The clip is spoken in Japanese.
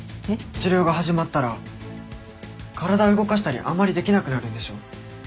治療が始まったら体動かしたりあんまりできなくなるんでしょ？